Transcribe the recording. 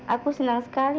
aku senang sekali